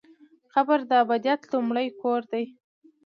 قبر د ابدیت لومړی کور دی؟